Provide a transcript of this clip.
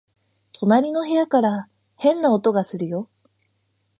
隣の部屋から変な音がするよ